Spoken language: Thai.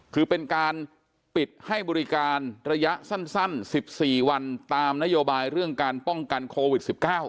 คือเป็นการปิดให้บริการระยะสั้น๑๔วันตามนโยบายเรื่องการป้องกันโควิด๑๙